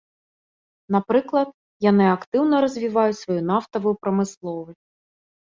Напрыклад, яны актыўна развіваюць сваю нафтавую прамысловасць.